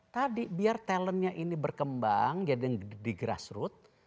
tadi biar talentnya ini berkembang jadi di grassroot